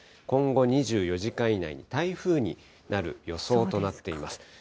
今後２４時間以内に、台風になる予想となっています。